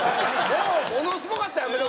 もうものすごかったよ